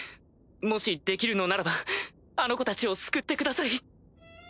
もしできるのならばあの子たちを救ってください。